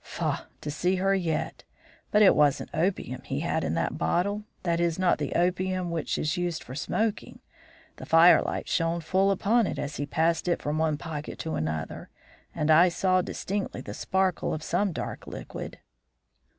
Faugh! I see her yet. But it wasn't opium he had in that bottle; that is, not the opium which is used for smoking. The firelight shone full upon it as he passed it from one pocket to another, and I saw distinctly the sparkle of some dark liquid."